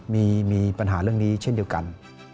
มีปัญหาเรื่องนี้เช่นเดียวกัน